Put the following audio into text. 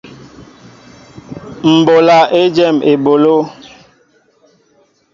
M ɓola éjem eɓoló.